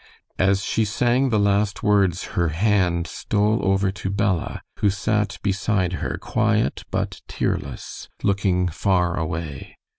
As she sang the last words her hand stole over to Bella, who sat beside her quiet but tearless, looking far away.